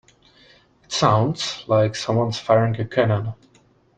It sounds like someone's firing a cannon.